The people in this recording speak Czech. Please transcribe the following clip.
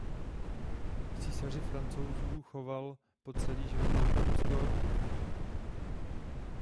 K císaři Francouzů choval po celý život velkou úctu a obdiv.